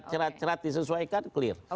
cerat cerat disesuaikan clear